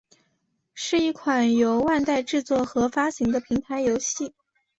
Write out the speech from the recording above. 是一款由万代制作和发行的平台游戏。